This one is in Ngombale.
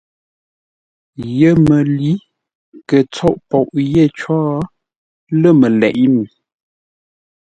YEMƏLǏ kə tsôʼ poʼ yé có, lə̂ məleʼé mi.